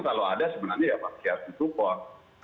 kalau ada sebenarnya ya pasti kita support